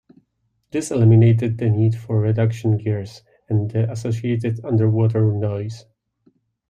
This eliminated the need for reduction gears and their associated underwater noise.